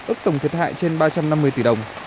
ước tổng thiệt hại trên ba trăm năm mươi tỷ đồng